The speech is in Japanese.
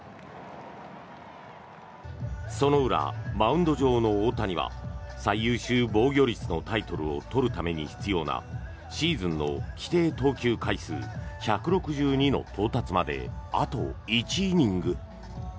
その裏、マウンド上の大谷は最優秀防御率のタイトルを取るために必要なシーズンの規定投球回数１６２の到達まであと１イニング。